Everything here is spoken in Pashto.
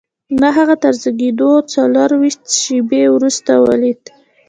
ما هغه تر زېږېدو څلرویشت شېبې وروسته ولید